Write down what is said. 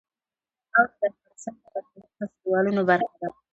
خاوره د افغانستان د فرهنګي فستیوالونو برخه ده.